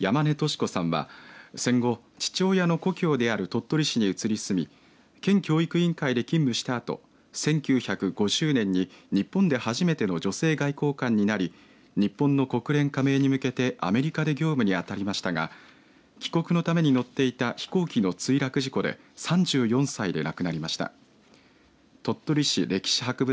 山根敏子さんは戦後、父親の故郷である鳥取市に移り住み県教育委員会で勤務したあと１９５０年に日本で初めての女性外交官になり日本の国連加盟に向けてアメリカで業務にあたりました帰国のために乗っていた飛行機の墜落事故で３４歳で亡くなりました。